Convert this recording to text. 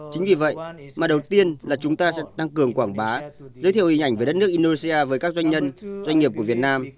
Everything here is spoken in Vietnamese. chính vì vậy mà đầu tiên là chúng ta sẽ tăng cường quảng bá giới thiệu hình ảnh về đất nước indonesia với các doanh nhân doanh nghiệp của việt nam